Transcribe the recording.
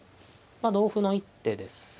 まあ同歩の一手です。